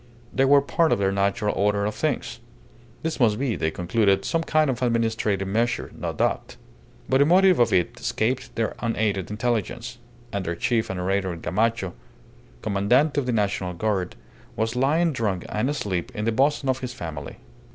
They were part of the natural order of things. This must be, they concluded, some kind of administrative measure, no doubt. But the motive of it escaped their unaided intelligence, and their chief and orator, Gamacho, Commandante of the National Guard, was lying drunk and asleep in the bosom of his family.